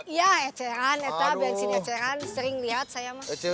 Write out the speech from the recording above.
iya eceran etah bensin eceran sering lihat saya mas